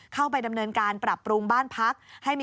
เข้าไปดำเนินการปรับปรุงบ้านพัก